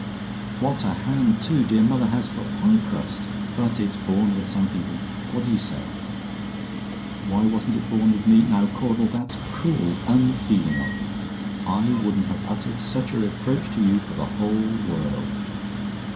"What a hand, too, dear mother has for a pie crust! But it's born with some people. What do you say? "WHY WASN'T IT BORN WITH ME? "Now, Caudle, that's cruel unfeeling of you; I wouldn't have uttered such a reproach to you for the whole world.